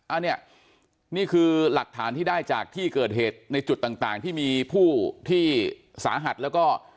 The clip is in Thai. อันนี้นี่คือหลักฐานที่ได้จากที่เกิดเหตุในจุดต่างที่มีผู้ที่สาหัสแล้วก็